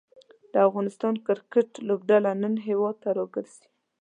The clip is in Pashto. د افغانستان کریکټ لوبډله نن هیواد ته راګرځي.